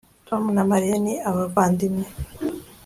Tom na Mariya ni abavandimwe